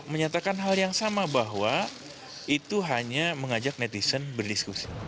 menyatakan hal yang sama bahwa itu hanya mengajak netizen berdiskusi